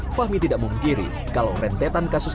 fahmi tidak memungkiri kalau rentetan kasus